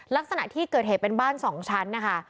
ลักษณะที่เกิดเหตุเป็นบ้าน๒ชั้นนะคะ